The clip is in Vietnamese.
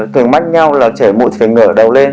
tưởng mắt nhau là chảy mũi thì phải ngửa đầu lên